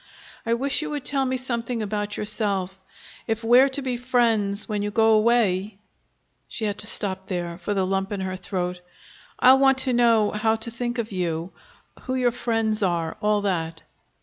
I wish you would tell me something about yourself. If we're to be friends when you go away," she had to stop there, for the lump in her throat "I'll want to know how to think of you, who your friends are, all that."